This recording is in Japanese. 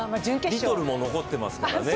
リトルも残ってますからね。